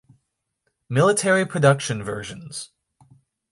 Military production versions.